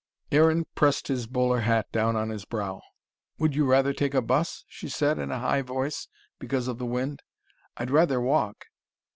Aaron pressed his bowler hat down on his brow. "Would you rather take a bus?" she said in a high voice, because of the wind. "I'd rather walk."